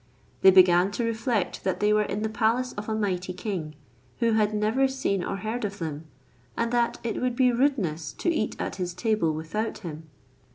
They began to reflect that they were in the palace of a mighty king, who had never seen or heard of them, and that it would be rudeness to eat at his table without him.